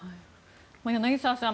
柳澤さん